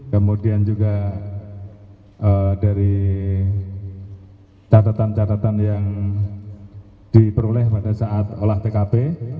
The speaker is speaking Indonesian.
kemudian juga dari catatan catatan yang diperoleh pada saat olah tkp